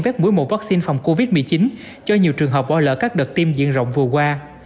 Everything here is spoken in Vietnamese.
vét mỗi một vaccine phòng covid một mươi chín cho nhiều trường hợp bỏ lỡ các đợt tiêm diễn rộng vừa qua